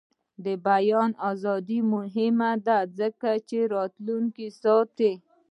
د بیان ازادي مهمه ده ځکه چې راتلونکی ساتي.